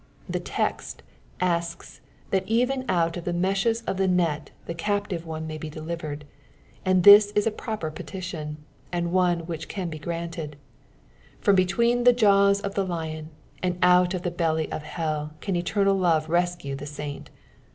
The test asks that even out of the meshes of the net the captive one may be delivered ; and this is a proper petition, and one which can bu granted ; from betw4.cn the ~~wsof the lion nnd out of the belly of hell can eternal love rescue the SHlnt.